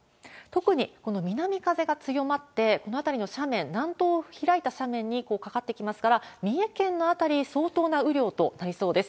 特にこの南風が強まって、この辺りの斜面、南東を開いた斜面にかかってきますから、三重県の辺り、相当な雨量となりそうです。